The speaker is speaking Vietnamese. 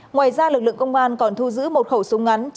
ngoài ra lực lượng công an còn thu giữ một khẩu súng ngắn